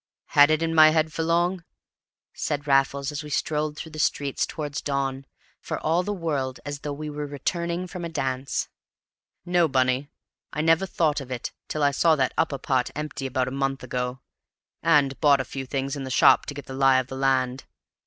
"Had it in my head for long?" said Raffles, as we strolled through the streets towards dawn, for all the world as though we were returning from a dance. "No, Bunny, I never thought of it till I saw that upper part empty about a month ago, and bought a few things in the shop to get the lie of the land.